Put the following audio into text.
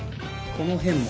この辺も。